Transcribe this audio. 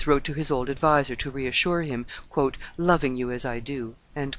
wrote to his old adviser to reassure him, "loving you as I do."